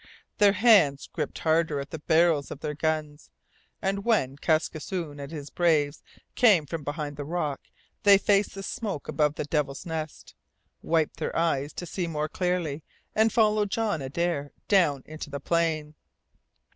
Their hands gripped harder at the barrels of their guns, and when Kaskisoon and his braves came from behind the rock they faced the smoke above the Devil's Nest, wiped their eyes to see more clearly, and followed John Adare down into the plain.